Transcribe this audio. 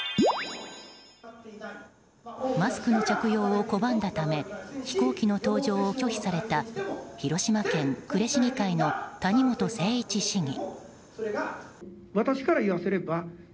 マスクの着用を拒んだため飛行機の搭乗を拒否された広島県呉市議会の谷本誠一市議。